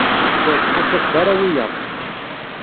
Ur ttḥasabet ara wiyaḍ.